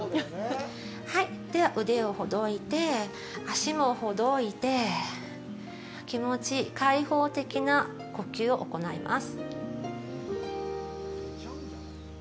では腕をほどいて、足もほどいて、気持ちいい、開放的な呼吸を行います。